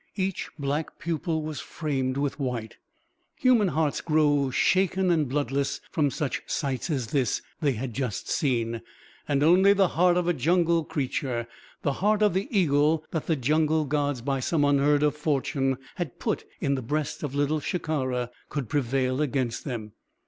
Each black pupil was framed with white. Human hearts grow shaken and bloodless from such sights as this they had just seen, and only the heart of a jungle creature the heart of the eagle that the jungle gods, by some unheard of fortune, had put in the breast of Little Shikara could prevail against them.